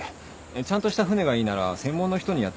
ちゃんとした船がいいなら専門の人にやってもらった方が。